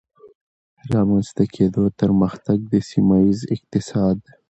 د رامنځته کېدو ترڅنګ د سيمهييز اقتصاد